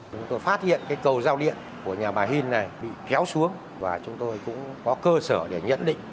chúng tôi phát hiện cái cầu giao điện của nhà bà hìn này bị kéo xuống và chúng tôi cũng có cơ sở để nhận định